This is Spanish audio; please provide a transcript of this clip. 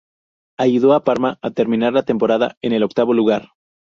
Ayudó a Parma a terminar la temporada en el octavo lugar.